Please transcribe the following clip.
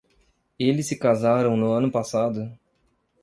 Eles se casaram no ano passado